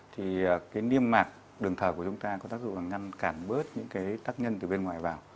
thì cái niêm mạc đường thở của chúng ta có tác dụng là ngăn cản bớt những cái tác nhân từ bên ngoài vào